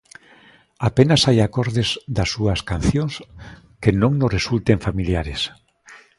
Apenas hai acordes das súas cancións que non nos resulten familiares.